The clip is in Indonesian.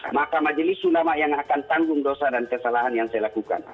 maka majelis sunama yang akan tanggung dosa dan kesalahan yang saya lakukan